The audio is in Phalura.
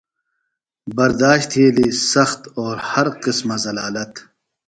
برداشت تھیلیۡ سختیۡ او ہر قسمہ ذلالت۔